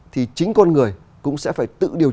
thì chính con người cũng sẽ phải tự điều trị